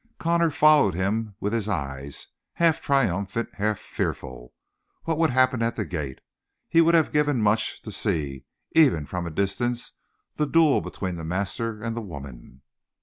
Connor followed him with his eyes, half triumphant, half fearful. What would happen at the gate? He would have given much to see even from a distance the duel between the master and the woman.